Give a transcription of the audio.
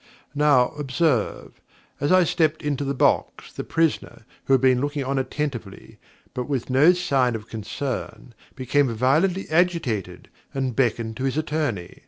Now, observe. As I stepped into the box, the prisoner, who had been looking on attentively but with no sign of concern, became violently agitated, and beckoned to his attorney.